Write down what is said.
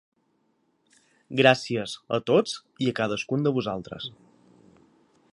Gràcies a tots i cadascun de vosaltres.